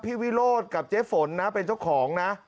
วิโรธกับเจ๊ฝนนะเป็นเจ้าของนะ